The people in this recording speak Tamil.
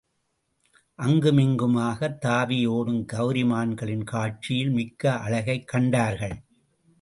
அங்குமிங்குமாகத் தாவி ஓடும் கவரிமான்களின் காட்சியில் மிக்க அழகைக் கண்டார்கள்.